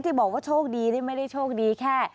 บอกว่าโชคดีที่ไม่ได้โชคดีแค่